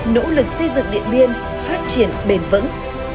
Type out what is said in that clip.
nỗ lực xây dựng điện biên phát triển bền vững